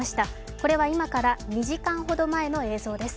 これは今から２時間ほど前の映像です。